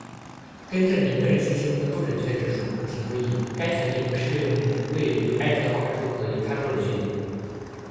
更正您个人信息中的不准确之处，请注意，该权利不适用位于爱荷华州和犹他州的居民；